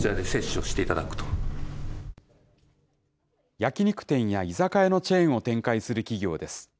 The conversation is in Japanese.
焼き肉店や居酒屋のチェーンを展開する企業です。